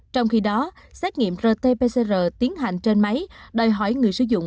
trong khi đó xét nghiệm rt pcr tiến hành trên máy đòi hỏi người sử dụng